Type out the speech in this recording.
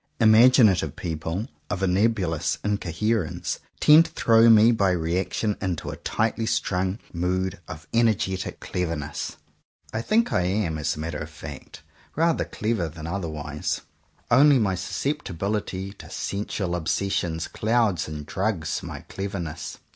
Imaginative people of a nebulous incoherence, tend to throw me by reaction into a tightly strung mood of energetic cleverness. I think I am, as a matter of fact, rather clever than otherwise; only my suscepti 131 CONFESSIONS OF TWO BROTHERS bility to sensual obsessions clouds and drugs my cleverness.